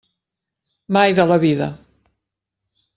Mai de la vida!